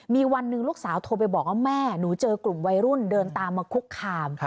มีวันหนึ่งลูกสาวโทรไปบอกว่าแม่หนูเจอกลุ่มวัยรุ่นเดินตามมาคุกคาม